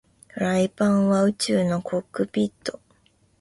フライパンは宇宙のコックピット